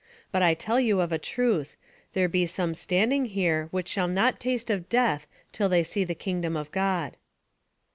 But I tell you of a truth, there be some standing here, which shall not taste of death till they see the kingdom of God."